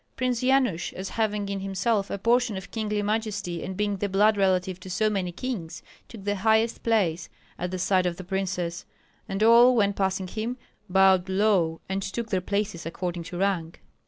Prince Yanush, as having in himself a portion of kingly majesty and being the blood relative of so many kings, took the highest place, at the side of the princess; and all when passing him, bowed low and took their places according to rank.